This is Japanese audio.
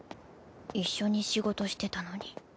一緒に仕事してたのに。